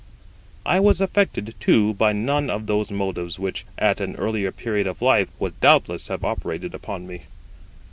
I was affected, too, by none of those motives which, at an earlier period of life, would doubtless have operated upon me.